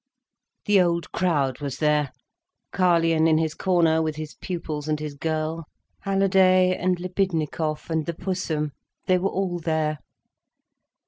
The old crowd was there, Carlyon in his corner with his pupils and his girl, Halliday and Libidnikov and the Pussum—they were all there.